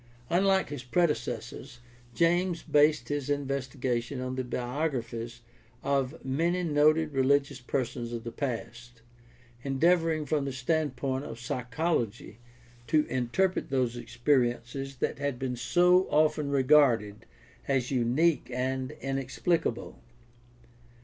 Unlike his predecessors, James based his investigation on the biographies of many noted religious persons of the past, endeavoring from the standpoint of psychology to interpret those experiences that had been so often regarded as unique and inexplicable.